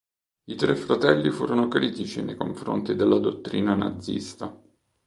I tre fratelli furono critici nei confronti della dottrina nazista.